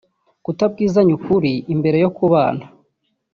Kutabwizanya ukuri mbere yo kubana